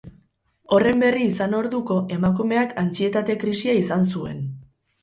Horren berri izan orduko, emakumeak antsietate krisia izan zuen.